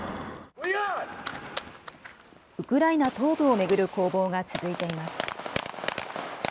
ウクライナ東部を巡る攻防が続いています。